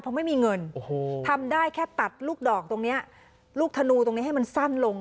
เพราะไม่มีเงินทำได้แค่ตัดลูกดอกตรงนี้ลูกธนูตรงนี้ให้มันสั้นลง